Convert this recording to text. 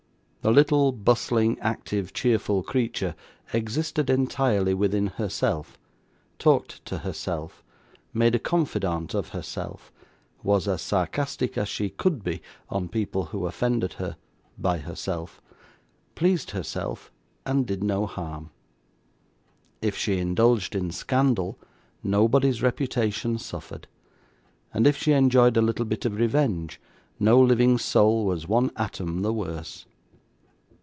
The little bustling, active, cheerful creature existed entirely within herself, talked to herself, made a confidante of herself, was as sarcastic as she could be, on people who offended her, by herself; pleased herself, and did no harm. If she indulged in scandal, nobody's reputation suffered; and if she enjoyed a little bit of revenge, no living soul was one atom the worse.